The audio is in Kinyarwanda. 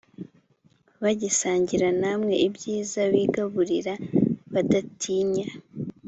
bagisangira namwe ibyiza bigaburira badatinya